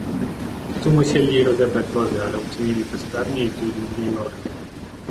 "Tu musieli rozebrać wozy, ale uczynili to sprawnie i w mgnieniu oka."